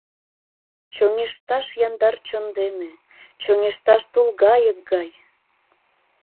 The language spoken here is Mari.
Чоҥешташ яндар чон дене, Чоҥешташ тулгайык гай!